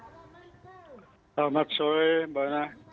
selamat sore mbak naya